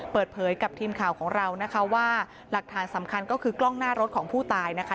เปิดเผยกับทีมข่าวของเรานะคะว่าหลักฐานสำคัญก็คือกล้องหน้ารถของผู้ตายนะคะ